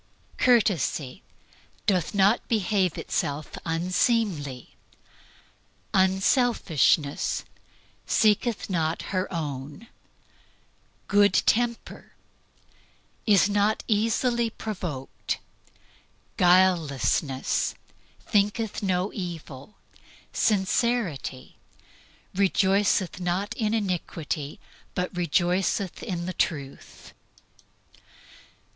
Courtesy "Doth not behave itself unseemly." Unselfishness "Seeketh not its own." Good temper "Is not provoked." Guilelessness "Taketh not account of evil." Sincerity "Rejoiceth not in unrighteousness, but rejoiceth with the truth."